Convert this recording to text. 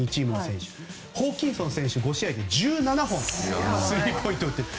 ホーキンソン、５試合で１７本スリーポイントを打っている。